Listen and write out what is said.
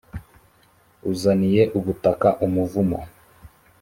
uzaniye ubutaka umuvumo